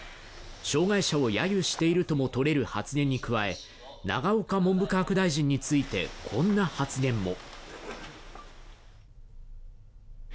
障害者をやゆしているともとれる発言に加え永岡文部科学大臣についてこんな発言も。